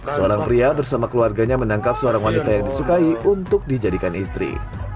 seorang pria bersama keluarganya menangkap seorang wanita yang disukai untuk dijadikan istri